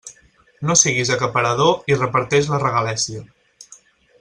No siguis acaparador i reparteix la regalèssia.